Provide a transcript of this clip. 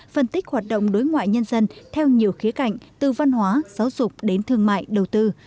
phân tích hoạt động đối ngoại nhân dân theo nhiều khía cạnh từ văn hóa giáo dục đến thương mại đầu tư